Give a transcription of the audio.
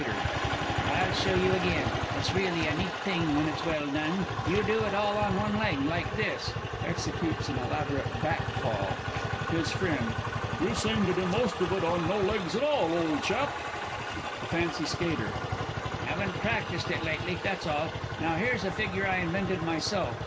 I'll show you again it's really a neat thing when it's well done; you do it all on one leg, like this [Executes an elaborate back fall. HIS FRIEND. You seem to do most of it on no legs at all, old chap! THE F. S. Haven't practised it lately, that's all. Now here's a figure I invented myself.